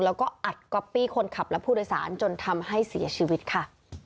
แล้วก็อัดก๊อปปี้คนขับและผู้โดยสารจนทำให้เสียชีวิตค่ะ